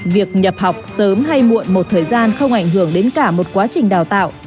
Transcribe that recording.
việc nhập học sớm hay muộn một thời gian không ảnh hưởng đến cả một quá trình đào tạo